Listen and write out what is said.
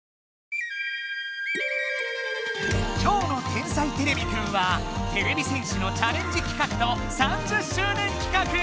今日の「天才てれびくん」はてれび戦士のチャレンジ企画と３０周年企画！